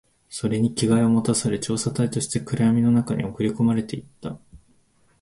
それに着替えを持たされ、調査隊として暗闇の中に送り込まれていった